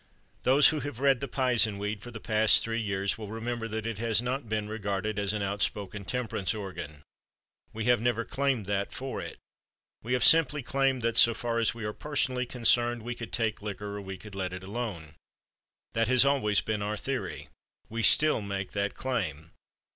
"Those who have read the Pizenweed for the past three years will remember that it has not been regarded as an outspoken temperance organ. We have never claimed that for it. We have simply claimed that, so far as we are personally concerned, we could take liquor or we could let it alone. That has always been our theory. We still make that claim.